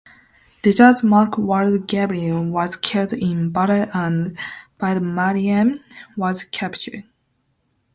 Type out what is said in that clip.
"Dejazmach" Wolde Gabriel was killed in battle and Baeda Maryam was captured.